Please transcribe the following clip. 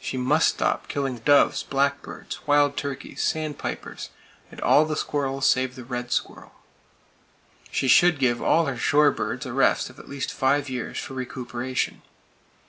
She must stop killing doves, blackbirds, wild turkeys, sandpipers, and all the squirrels save the red squirrel. She should give all her shore birds a rest of at least five years, for recuperation.